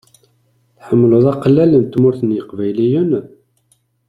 Tḥemmleḍ aqellal n Tmurt n yeqbayliyen?